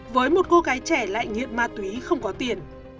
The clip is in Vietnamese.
với một cô gái trẻ lại nghiện ma túy không có tiền